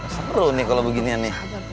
seru nih kalau beginian nih